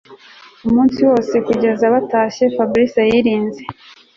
Umunsi wose kugeza batashye Fabric yirinze